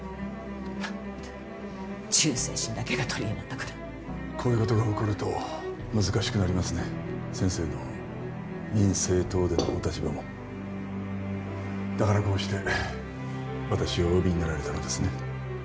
全く忠誠心だけが取りえなんだからこういうことが起こると難しくなりますね先生の民政党でのお立場もだからこうして私をお呼びになられたのですね